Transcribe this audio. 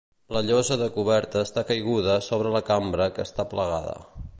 La llosa de coberta està caiguda a sobre la cambra que està plegada.